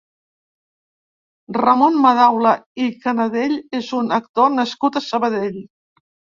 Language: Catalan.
Ramon Madaula i Canadell és un actor nascut a Sabadell.